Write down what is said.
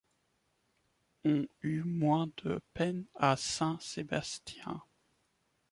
On eut moins de peine à Saint-Sébastien.